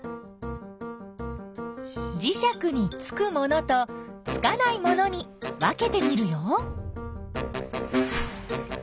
じしゃくにつくものとつかないものに分けてみるよ。